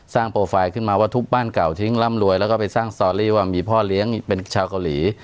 โปรไฟล์ขึ้นมาว่าทุบบ้านเก่าทิ้งร่ำรวยแล้วก็ไปสร้างสตอรี่ว่ามีพ่อเลี้ยงเป็นชาวเกาหลี